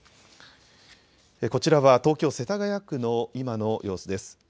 こちらは東京・世田谷区の今の様子です。